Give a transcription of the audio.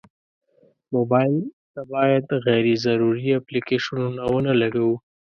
موبایل ته باید غیر ضروري اپلیکیشنونه ونه لګوو.